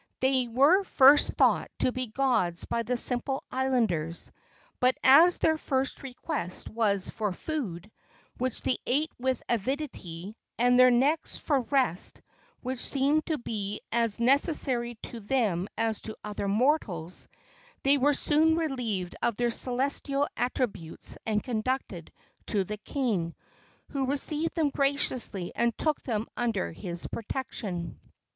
They were first thought to be gods by the simple islanders; but as their first request was for food, which they ate with avidity, and their next for rest, which seemed to be as necessary to them as to other mortals, they were soon relieved of their celestial attributes and conducted to the king, who received them graciously and took them under his protection.